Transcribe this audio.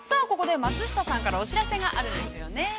ここで、松下さんからお知らせがあるんですよね。